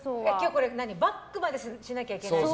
これ、バックまでしなきゃいけないの？